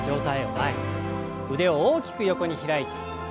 腕を大きく横に開いて。